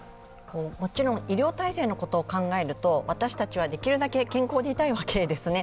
医療体制のことを考えると私たちはできるだけ健康でいたいわけですよね。